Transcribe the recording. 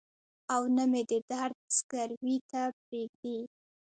او نه مې د درد ځګروي ته پرېږدي.